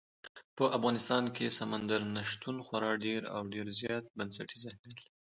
په افغانستان کې سمندر نه شتون خورا ډېر او ډېر زیات بنسټیز اهمیت لري.